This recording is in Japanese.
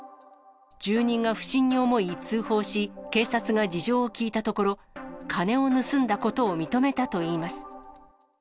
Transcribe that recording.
住人が不審に思い通報し、警察が事情を聴いたところ、金を盗んだことを認めたといいます。